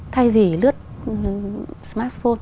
thay vì lướt smartphone